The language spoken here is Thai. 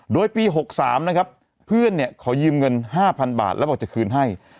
โดยปี๖๓พ่อขอยืมเงิน๕แบทบาทแล้วก็คืนให้